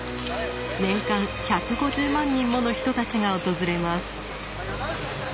年間１５０万人もの人たちが訪れます。